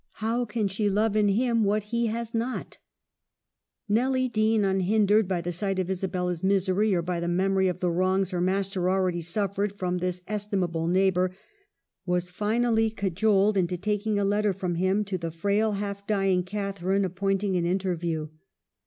How can she love in him what he has not ?'" Nelly Dean, unhindered by the sight of Isa bella's misery, or by the memory of the wrongs her master already suffered from this estimable neighbor, was finally cajoled into taking a letter from him to the frail, half dying Catharine, ap pointing an interview.